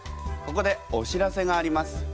ここでお知らせがあります。